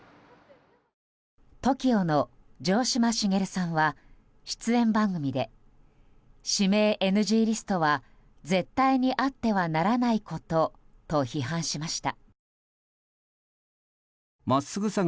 ＴＯＫＩＯの城島茂さんは出演番組で指名ＮＧリストは絶対にあってはならないことと批判しました。